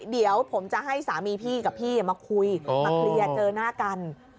เดี๋ยวผมจะให้สามีพี่กับพี่มาคุยมาเคลียร์เจอหน้ากัน